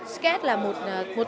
sketch là một